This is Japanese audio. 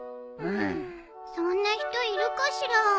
そんな人いるかしら？